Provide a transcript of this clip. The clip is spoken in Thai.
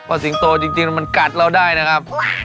เพราะสิงโตจริงมันกัดเราได้นะครับ